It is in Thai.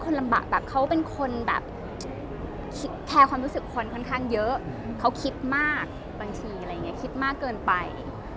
ก็ลำบากใจวุ้นเขาเป็นคนแคร์ความรู้สึกคนค่อนข้างเยอะเขาคิดมากบางทีคิดมากเกินไป